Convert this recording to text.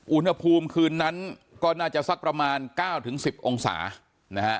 อุณหภูมิคืนนั้นก็น่าจะสักประมาณ๙๑๐องศานะฮะ